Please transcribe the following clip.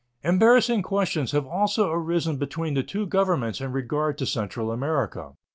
Embarrassing questions have also arisen between the two Governments in regard to Central America.